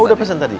oh udah pesen tadi